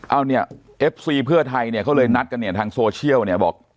เอ้านี่เอฟซีเพื่อไทยเขาเลยนัดกันอย่างทางโซเชียล